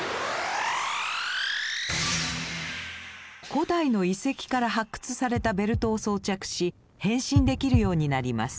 古代の遺跡から発掘されたベルトを装着し変身できるようになります。